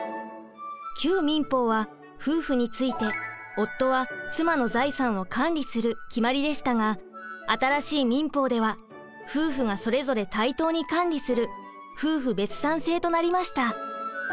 旧民法は夫婦について夫は妻の財産を管理する決まりでしたが新しい民法では夫婦がそれぞれ対等に管理する夫婦別産制となりました。